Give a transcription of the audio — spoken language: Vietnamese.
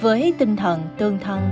với tinh thần tương thân